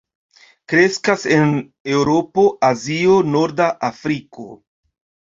Kreskas en Eŭropo, Azio, norda Afriko.